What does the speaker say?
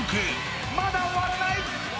まだ終わらない！